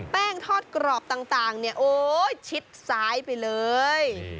แป้งทอดกรอบต่างเนี่ยโอ๊ยชิดซ้ายไปเลย